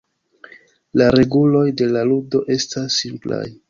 La reguloj de la ludo estas simplaj.